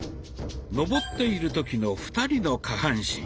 上っている時の２人の下半身。